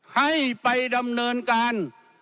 ให้ไปดำเนินการ